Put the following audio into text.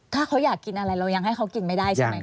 ถ้าเขาอยากกินอะไรเรายังให้เขากินไม่ได้ใช่ไหม